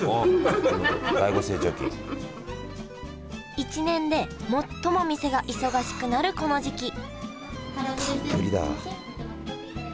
１年で最も店が忙しくなるこの時期たっぷりだ。